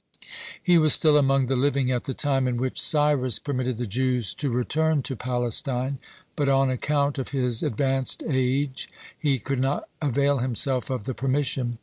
(70) He was still among the living at the time in which Cyrus permitted the Jews to return to Palestine, but on account of his advanced age he could not avail himself of the permission.